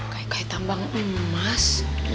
kayak kayak tambang emas